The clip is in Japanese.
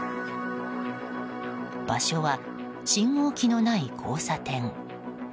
場所は、信号機のない交差点。